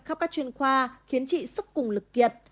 khắp các chuyên khoa khiến chị sức cùng lực kiệt